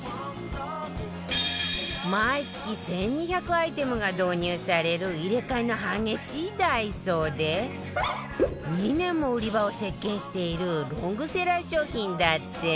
毎月１２００アイテムが導入される入れ替えの激しい ＤＡＩＳＯ で２年も売り場を席巻しているロングセラー商品だって